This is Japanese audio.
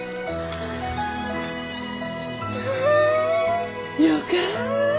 わあ。よか。